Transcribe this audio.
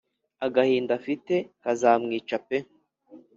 agahinda afite kazamwica pe